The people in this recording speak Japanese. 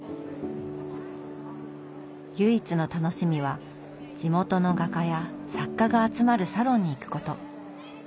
唯一の楽しみは地元の画家や作家が集まるサロンに行くこと。